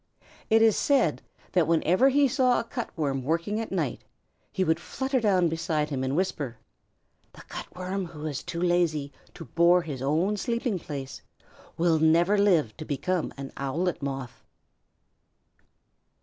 It is said that whenever he saw a Cut Worm working at night, he would flutter down beside him and whisper, "The Cut Worm who is too lazy to bore his own sleeping place will never live to become an Owlet Moth."